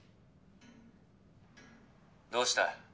どうした？